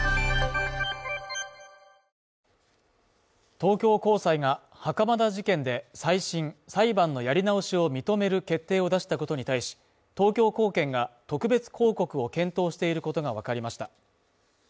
東京高裁が袴田事件で、再審＝裁判のやり直しを認める決定を出したことに対し、東京高検が特別抗告を検討していることがわかりました。